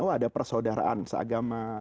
oh ada persaudaraan seagama